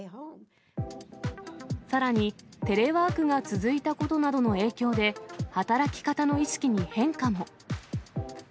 さらに、テレワークが続いたことなどの影響で、働き方の意識に変化も。